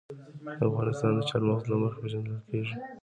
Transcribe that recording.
افغانستان د چار مغز له مخې پېژندل کېږي.